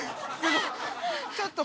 ちょっと。